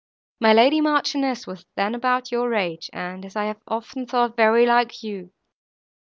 My lady Marchioness was then about your age, and, as I have often thought, very like you.